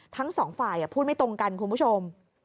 ทั้งสองฝ่ายพูดไม่ตรงกันคุณผู้ชม